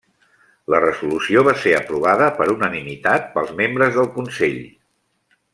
La resolució va ser aprovada per unanimitat pels membres del Consell.